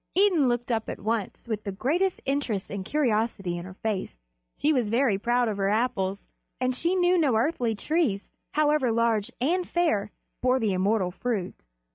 Idun looked up at once with the greatest interest and curiosity in her face. She was very proud of her Apples, and she knew no earthly trees, however large and fair, bore the immortal fruit.